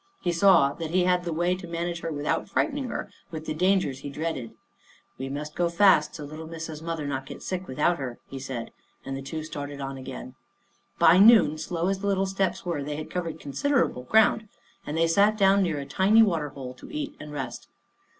He saw that he had the way to manage her without frightening her with the dangers he dreaded. "We must go fast so little Missa's mother Tean Finds a Friend 85 not get sick without her," he said, and the two started on again. By noon, slow as the little steps were, they had covered considerable ground, and they sat down near a tiny water hole to eat and rest.